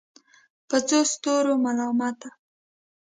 په څو ستورو ملامته